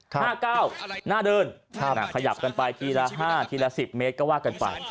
๕เก้าหน้าเดินขยับกันไปทีละ๕ทีละ๑๐เมตรก็ว่ากันไป